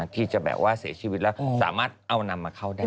ที่จะแบบว่าเสียชีวิตแล้วสามารถเอานำมาเข้าได้